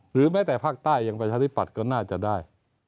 หรือแม้แต่ภาคใต้ยังไปทฤษฎีปัดก็น่าจะได้